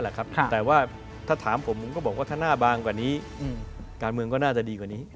หน้าบางกว่านี้การเมืองก็น่าจะดีกว่านี้